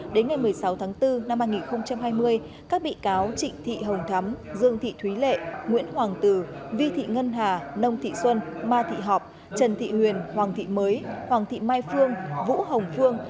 đến ngày một mươi sáu tháng bốn năm hai nghìn hai mươi các bị cáo trịnh thị hồng thắm dương thị thúy lệ nguyễn hoàng tử vi thị ngân hà nông thị xuân mai thị họp trần thị huyền hoàng thị mới hoàng thị mai phương vũ hồng phương